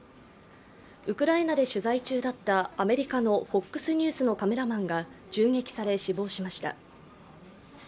ウクライナで取材中だったアメリカのＦＯＸニュースのカメラマンが銃撃され、死亡しました。